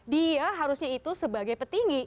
dia harusnya itu sebagai petinggi